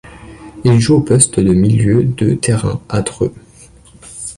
Il joue au poste de milieu de terrain à Dreux.